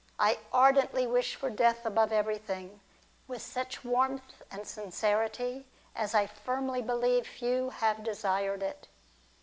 I ardently wish for death above everything, with such warmth and sincerity as I firmly believe few have desired it.